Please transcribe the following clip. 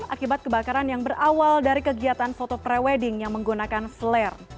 akibat kebakaran yang berawal dari kegiatan foto pre wedding yang menggunakan flare